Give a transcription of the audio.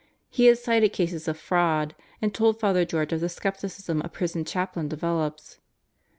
He had cited cases of fraud and told Father George of the skepticism a prison chaplain develops.